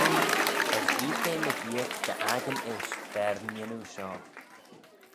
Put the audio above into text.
As yeeagh eh mygeayrt dy akin ish v'er n'yannoo shoh.